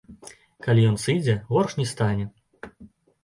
Калі ён сыдзе, горш не стане.